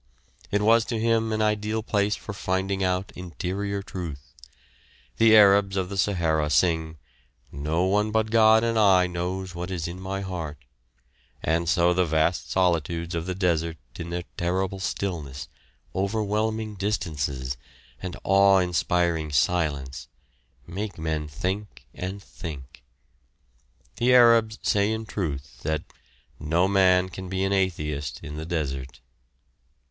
It was to him an ideal place for finding out interior truth. The Arabs of the Sahara sing, "No one but God and I knows what is in my heart," and so the vast solitudes of the desert in their terrible stillness, overwhelming distances, and awe inspiring silence, make men think and think. The Arabs say in truth that "No man can be an atheist in the desert."